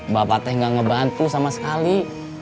bapaknya gak ngebantu sama sekali